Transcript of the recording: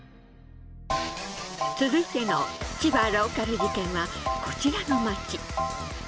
続いての千葉ローカル事件はこちらの街。